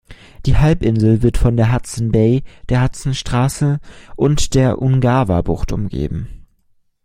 Die Halbinsel wird von der Hudson Bay, der Hudsonstraße und der Ungava-Bucht umgeben.